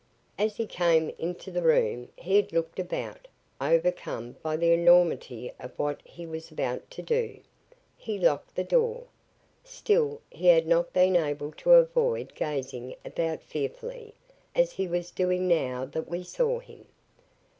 As he came into the room, he had looked about, overcome by the enormity of what he was about to do. He locked the door. Still, he had not been able to avoid gazing about fearfully, as he was doing now that we saw him.